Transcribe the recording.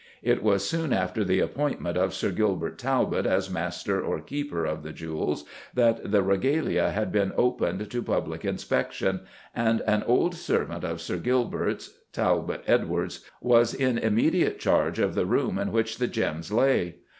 It was soon after the appointment of Sir Gilbert Talbot as Master, or Keeper, of the Jewels that the regalia had been opened to public inspection, and an old servant of Sir Gilbert's, Talbot Edwards, was in immediate charge of the room in which the gems lay.